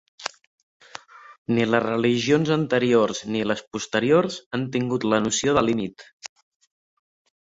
Ni les religions anteriors ni les posteriors han tingut la noció de límit.